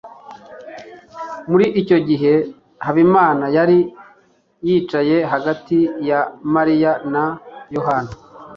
muri icyo gihe, habimana yari yicaye hagati ya mariya na yohana